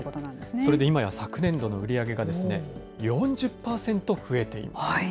それで、今や昨年度の売り上げが４０％増えています。